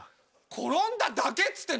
転んだだけっつってんの？